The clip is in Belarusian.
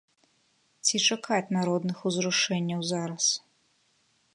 Ці чакаць народных узрушэнняў зараз?